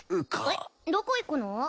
えっどこ行くの？